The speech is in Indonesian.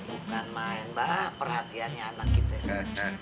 bukan main mbak perhatiannya anak gitu ya